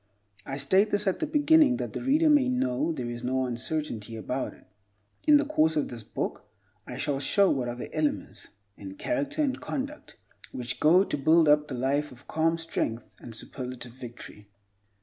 I state this at the beginning, that the reader may know there is no uncertainty about it. In the course of this book I shall show what are the elements, in character and conduct, which go to build up the life of calm strength and superlative victory.